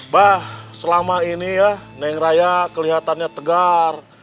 bah selama ini ya neng raya kelihatannya tegar